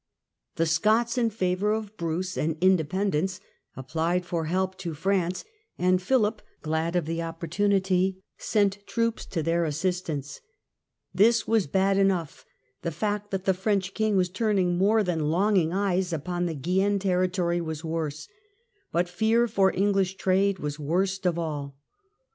The Alliance Scots in favour of Bruce and independence applied for France and help to France, and Phihp, glad of the opportunity, sent '^°'^" troops to their assistance. This was bad enough, the fact that the French King was turning more than longing eyes upon the Guienne territory was worse, but fear for English trade was worst of all.